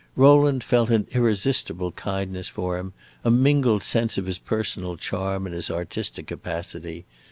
Rowland felt an irresistible kindness for him, a mingled sense of his personal charm and his artistic capacity.